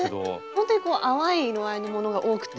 ほんとに淡い色合いのものが多くて。